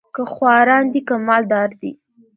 که خواران دي که مال دار دي